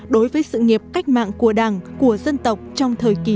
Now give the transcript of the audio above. đối với sự nghiệp cách mạng của đảng của dân tộc trong thời kỳ mới